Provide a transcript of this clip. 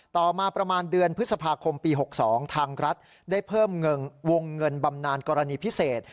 ต่อมาประมาณเดือนพฤษภาคมปี๖๒ทางรัฐได้เพิ่มวงเงินบำนานกรณีพิเศษ